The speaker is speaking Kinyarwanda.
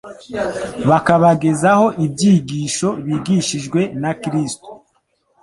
bakabagezaho ibyigisho bigishijwe na Kristo,